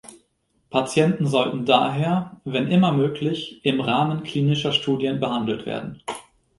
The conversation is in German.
Patienten sollten daher, wenn immer möglich, im Rahmen klinischer Studien behandelt werden.